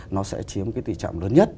nó sẽ chiếm cái tỷ trọng lớn nhất